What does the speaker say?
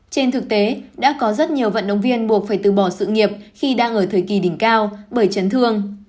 trên thực tế đã có rất nhiều vận động viên buộc phải từ bỏ sự nghiệp khi đang ở thời kỳ đỉnh cao bởi chấn thương